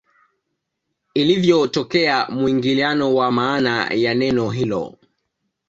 Ilivyotokea muingiliano wa maana ya neno hilo